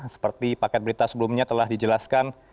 seperti paket berita sebelumnya telah dijelaskan